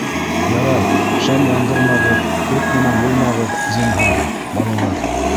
— Ярай, шәм яндырмағыҙ, ут менән булмағыҙ, зинһар, балалар.